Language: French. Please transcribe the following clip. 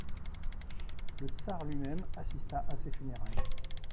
Le tsar lui-même assista à ses funérailles.